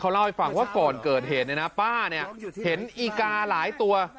เล่าให้ฟังว่าก่อนเกิดเหตุเนี่ยนะป้าเนี่ยเห็นอีกาหลายตัว